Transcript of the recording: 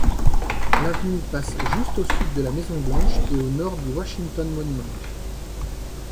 L'avenue passe juste au sud de la Maison-Blanche et au nord du Washington Monument.